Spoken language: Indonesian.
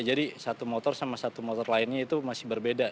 jadi satu motor sama satu motor lainnya itu masih berbeda